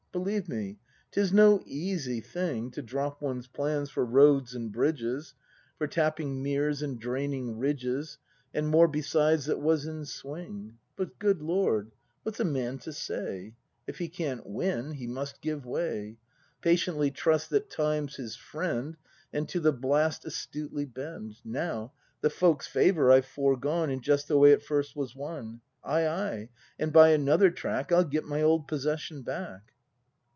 Believe me, 'tis no easy thing To drop one's plans for roads and bridges, For tapping meres and draining ridges. And more besides that was in swing. But, good Lord, what's a man to say? If he can't win, he must give way; Patientlv trust that Time's his friend. And to the blast astutely bend. Now, — the folks' favour I've foregone In just the way it first was won; Ay, ay, — and by another track I'll get my old possession back.